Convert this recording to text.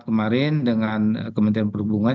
kemarin dengan kementerian perhubungan